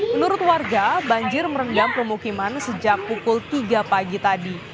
menurut warga banjir merendam pemukiman sejak pukul tiga pagi tadi